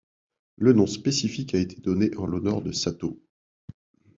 Le nom spécifique a été donné en l'honneur de Sato.